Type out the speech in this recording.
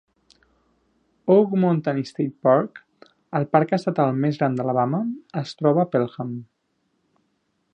Oak Mountain State Park, el parc estatal més gran d'Alabama, es troba a Pelham.